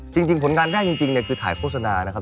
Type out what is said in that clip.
จริงผลงานแรกจริงเนี่ยคือถ่ายโฆษณานะครับ